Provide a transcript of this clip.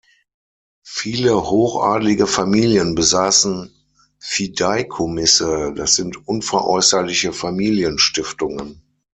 Viele hochadelige Familien besaßen Fideikommisse, das sind unveräußerliche Familienstiftungen.